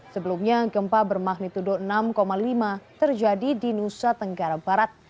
sebelumnya gempa bermagnitudo enam lima terjadi di nusa tenggara barat